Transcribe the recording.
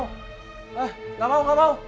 eh gak mau gak mau